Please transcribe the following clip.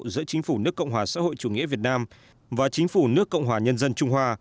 giữa chính phủ nước cộng hòa xã hội chủ nghĩa việt nam và chính phủ nước cộng hòa nhân dân trung hoa